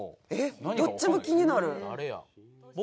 どっちも気になる。